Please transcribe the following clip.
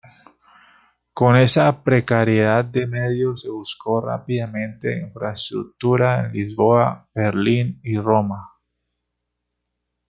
Con esa precariedad de medios se buscó rápidamente infraestructura en Lisboa, Berlín y Roma.